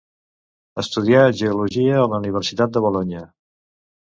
Estudià geologia a la Universitat de Bolonya.